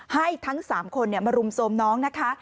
ให้ทั้ง๓คนมารุมโทรมน้องนะคะ